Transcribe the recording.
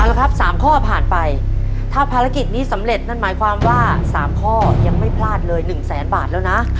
เอาละครับ๓ข้อผ่านไปถ้าภารกิจนี้สำเร็จนั่นหมายความว่า๓ข้อยังไม่พลาดเลย๑แสนบาทแล้วนะ